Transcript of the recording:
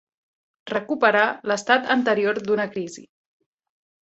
Recuperar l'estat anterior d'una crisi.